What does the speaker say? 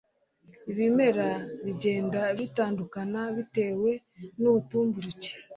Ibimera bigenda bitandukana bitewe n'ubutumburuke.